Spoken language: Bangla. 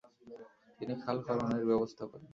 তিনি খাল খননের ব্যবস্থা করেন।